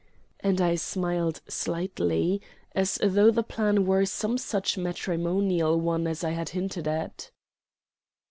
And I smiled slightly, as though the plan were some such matrimonial one as I had hinted at.